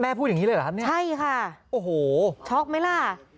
แม่พูดอย่างนี้เลยเหรอครับแม่โอ้โหช็อคไหมล่ะใช่ค่ะ